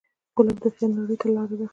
ګلاب د خیال نړۍ ته لاره ده.